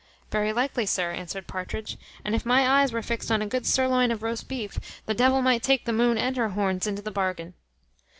"Very likely, sir," answered Partridge; "and if my eyes were fixed on a good surloin of roast beef, the devil might take the moon and her horns into the bargain."